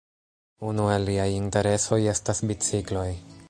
Unu el liaj interesoj estas bicikloj.